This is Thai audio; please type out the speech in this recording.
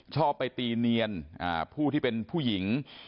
ชอบไปตีเนียนผู้ที่เป็นผู้หญิง